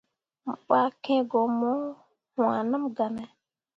Mo ɓah kiŋ ko mo waaneml gah ne.